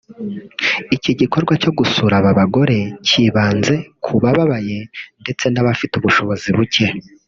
Iki gikorwa cyo gusura aba bagore cyibanze ku bababaye ndetse n’abafite ubushobozi buke